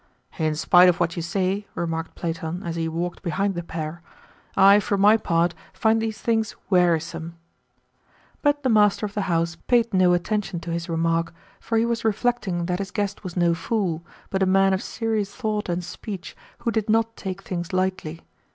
"In spite of what you say," remarked Platon as he walked behind the pair, "I, for my part, find these things wearisome." But the master of the house paid no attention to his remark, for he was reflecting that his guest was no fool, but a man of serious thought and speech who did not take things lightly.